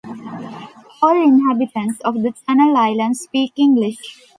All inhabitants of the Channel Islands speak English.